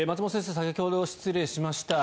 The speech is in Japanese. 先ほどは失礼しました。